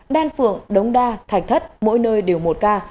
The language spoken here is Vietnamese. đan phượng đống đa thạch thất mỗi nơi đều một ca